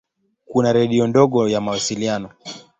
Kuna redio ndogo ya mawasiliano.